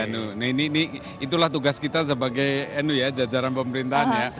nah ini itulah tugas kita sebagai jajaran pemerintahnya